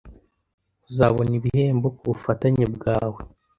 Uzabona ibihembo kubufatanye bwawe.